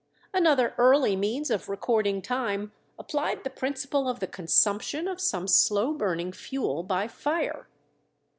Another early means of recording time applied the principle of the consumption of some slow burning fuel by fire.